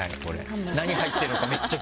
何入ってるのかめっちゃ気になる。